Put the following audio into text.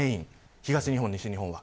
東日本、西日本は。